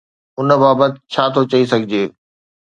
ان بابت ڇا ٿو چئي سگهجي؟